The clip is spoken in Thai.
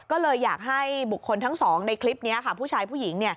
ก็เลยอยากให้บุคคลทั้งสองในคลิปนี้ค่ะผู้ชายผู้หญิง